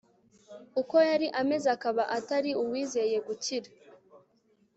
uko yari ameze akaba atari uwizeye gukira